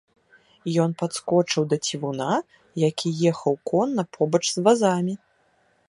Ён падскочыў да цівуна, які ехаў конна побач з вазамі.